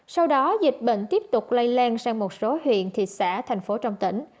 sau đó dịch bệnh tiếp tục lây lan sang một số huyện thị xã thành phố trong tỉnh